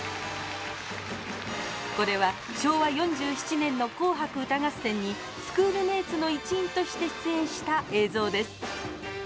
これは昭和４７年の「紅白歌合戦」にスクール・メイツの一員として出演した映像です。